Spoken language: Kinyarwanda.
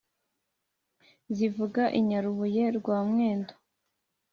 zivuga inyarubuye rwa mwendo